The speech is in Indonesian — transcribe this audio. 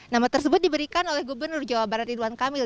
nama tersebut diberikan oleh gubernur jawa barat ridwan kamil